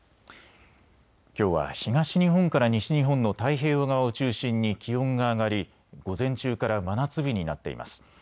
きょうは東日本から西日本の太平洋側を中心に気温が上がり午前中から真夏日になっています。